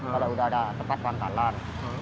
kalau sudah ada tempat tangkalan